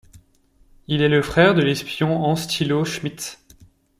Il est le frère de l'espion Hans-Thilo Schmidt.